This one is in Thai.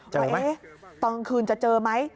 เจอไหมตอนกลางคืนจะเจอไหม